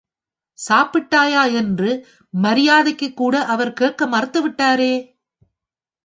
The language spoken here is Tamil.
சாப்பிட்டாயா என்று மரியாதைக்குக்கூட அவர் கேட்க மறுத்துவிட்டாரே!